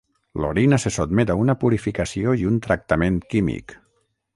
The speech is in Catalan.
L'orina se sotmet a una purificació i un tractament químic.